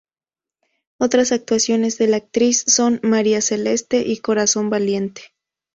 Otras actuaciones de la actriz son: "María Celeste" y "Corazón Valiente".